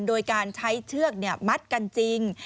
โดยการใช้เชือกมัดกันจริง